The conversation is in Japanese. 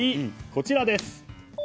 こちらです。